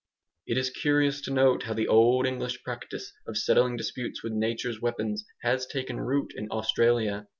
It is curious to note how the old English practice of settling disputes with nature's weapons has taken root in Australia.